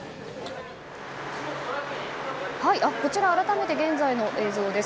こちら、改めて現在の映像です。